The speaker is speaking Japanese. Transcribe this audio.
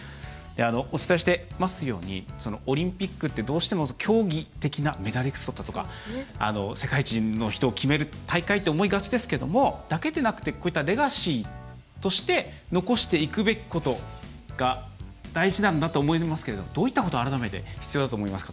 お伝えしていますようにオリンピックってどうしても競技的なメダリストだとか世界一の人を決める大会って思いがちですけどもだけでなくてこういったレガシーとして残していくべきことが大事なんだと思いますけれどもどういったことが改めて必要だと思いますか？